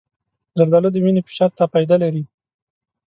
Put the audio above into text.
زردالو د وینې فشار ته فایده لري.